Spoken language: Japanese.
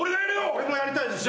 俺もやりたいですよ。